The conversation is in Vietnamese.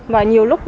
và nhiều lúc